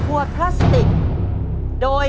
ตัวเลือกที่สามอดทน